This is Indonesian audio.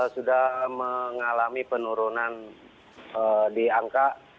sudah mengalami penurunan di angka